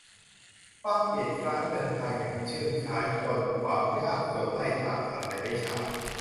ความเกียจคร้านเดินทางอย่างเชื่องช้าจนความยากจนไล่ตามทันในไม่ช้า